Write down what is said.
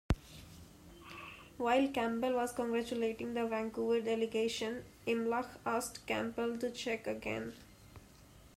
While Campbell was congratulating the Vancouver delegation, Imlach asked Campbell to check again.